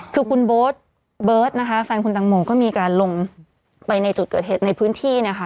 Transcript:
คือคุณเบิร์ตเบิร์ตนะคะแฟนคุณตังโมก็มีการลงไปในจุดเกิดเหตุในพื้นที่นะคะ